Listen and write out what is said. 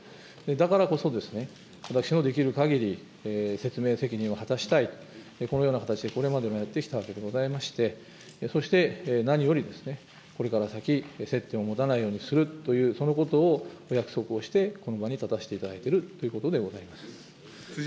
だからこそ、私のできるかぎり説明責任を果たしたいと、このような形でこれまでもやってきたわけでございまして、そして、何よりこれから先、接点を持たないようにするという、そのことをお約束をして、この場に立たせていただいているということでございます。